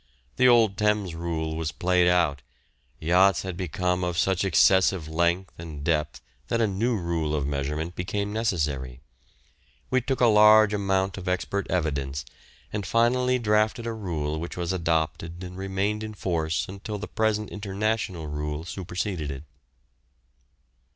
The old Thames rule was played out; yachts had become of such excessive length and depth that a new rule of measurement became necessary. We took a large amount of expert evidence, and finally drafted a rule which was adopted and remained in force until the present international rule superseded it.